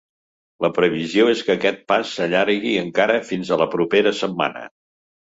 La previsió és que aquest pas s’allargui encara fins a la propera setmana.